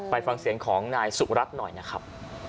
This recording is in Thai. ฟังเสียงของนายสุรัตน์หน่อยนะครับ